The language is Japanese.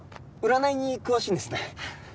占いに詳しいんですね。